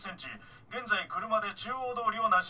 現在車で中央通りを南進中。